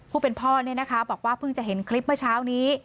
ผู้เป็นพ่อบอกว่าเพิ่งจะเห็นคลิปเมื่อเช้านี้